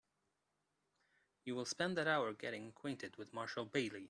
You will spend that hour getting acquainted with Marshall Bailey.